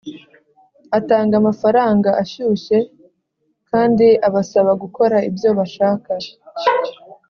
atanga amafaranga ashyushye kandi abasaba gukora ibyo bashaka.